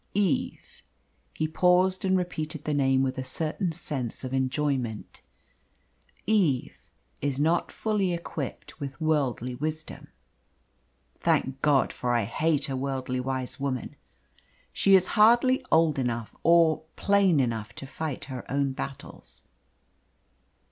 Eve" he paused, and repeated the name with a certain sense of enjoyment "Eve is not fully equipped with worldly wisdom. Thank God, for I hate a worldly wise woman. She is hardly old enough or plain enough to fight her own battles."